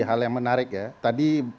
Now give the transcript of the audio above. hal yang menarik ya tadi